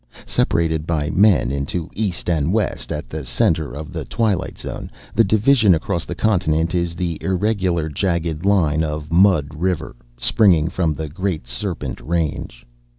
Separated by men into East and West at the center of the Twilight Zone, the division across the continent is the irregular, jagged line of Mud River, springing from the Great Serpent Range.